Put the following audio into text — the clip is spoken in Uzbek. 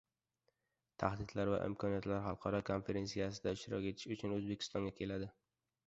Tahdidlar va imkoniyatlar" xalqaro konferentsiyasida ishtirok etish uchun O‘zbekistonga keladi.